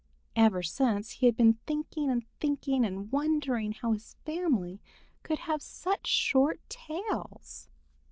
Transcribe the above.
Ever since he had been thinking and thinking, and wondering how his family came to have such short tails.